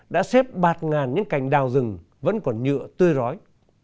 đã xếp bạt ngàn những cành đào rừng vẫn còn nhựa tươi rói